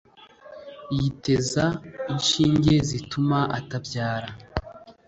yiteza inshinge zituma atabyara